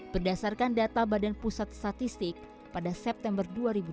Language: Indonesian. berdasarkan data badan pusat statistik pada september dua ribu dua puluh